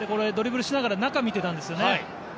ドリブルしながら中を見てたんですよね。